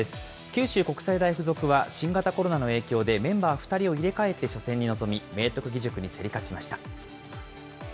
九州国際大付属は、新型コロナの影響でメンバー２人を入れ替えて初戦に臨み、明徳義塾に競り勝ちました。